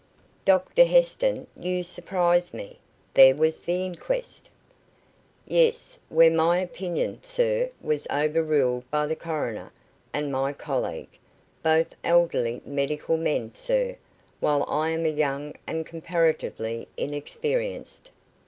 "Doctor Heston, you surprise me. There was the inquest." "Yes, where my opinion, sir, was overruled by the coroner and my colleague, both elderly medical men, sir, while I am young and comparatively inexperienced.